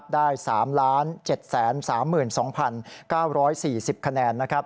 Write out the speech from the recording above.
ได้๓๗๓๒๙๔๐คะแนน